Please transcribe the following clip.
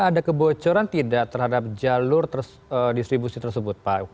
ada kebocoran tidak terhadap jalur distribusi tersebut pak